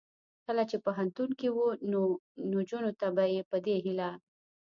کله چې پوهنتون کې و نو نجونو ته به یې په دې هیله